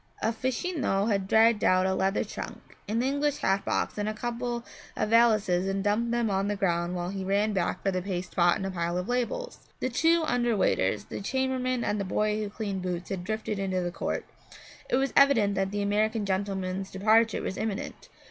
A fachino had dragged out a leather trunk, an English hat box and a couple of valises and dumped them on the ground while he ran back for the paste pot and a pile of labels. The two under waiters, the chambermaid and the boy who cleaned boots had drifted into the court. It was evident that the American gentleman's departure was imminent.